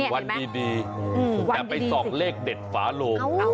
วันดีแต่ไปส่องเลขเด็ดฝาโลง